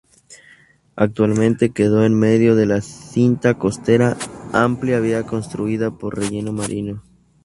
Actualmente quedó en medio de la cinta costera, amplia via construida por relleno marino.